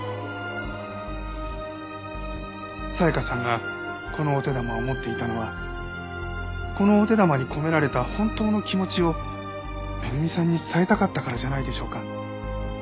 紗香さんがこのお手玉を持っていたのはこのお手玉に込められた本当の気持ちを恵さんに伝えたかったからじゃないでしょうか？